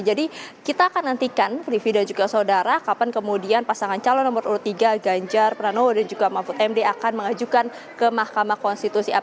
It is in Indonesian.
jadi kita akan nantikan livi dan juga saudara kapan kemudian pasangan calon nomor urut tiga ganjar pranowo dan juga mahfud md akan mengajukan ke mahkamah konstitusi